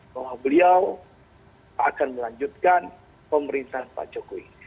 bahwa beliau akan melanjutkan pemerintahan pak jokowi